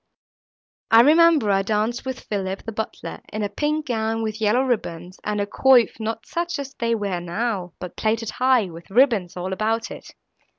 I remember I danced with Philip, the butler, in a pink gown, with yellow ribbons, and a coif, not such as they wear now, but plaited high, with ribbons all about it.